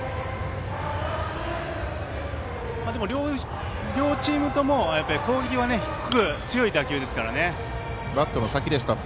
でも、両チームとも攻撃は低く、強い打球ですからね。